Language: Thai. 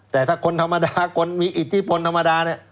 แต่ถ้าคนธรรมดามีอิติภัณฑ์ธรรมดา